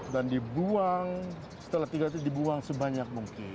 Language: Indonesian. dan dibuang setelah tiga detik dibuang sebanyak mungkin